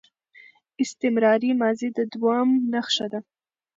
استمراري ماضي د دوام نخښه ده.